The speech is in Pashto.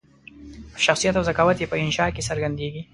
شخصیت او ذکاوت یې په انشأ کې څرګندیږي.